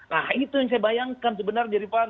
nah itu yang saya bayangkan sebenarnya rifana